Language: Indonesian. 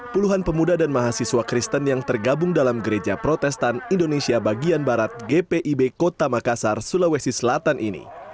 puluhan pemuda dan mahasiswa kristen yang tergabung dalam gereja protestan indonesia bagian barat gpib kota makassar sulawesi selatan ini